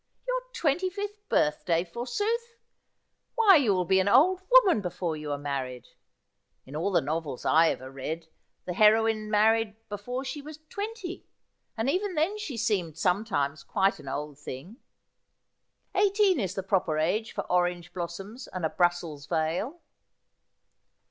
' Your twenty fifth birthday, forsooth ! Why, you will be an old woman before you are married. In all the novels I ever read, the heroine married before she was twenty, and even then she seemed sometimes quite an old thing. Eighteen is the proper age for orange blossoms and a Brussels veil.'